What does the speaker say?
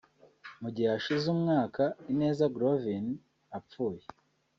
Mu gihe hashize umwaka Ineza Glovin apfuye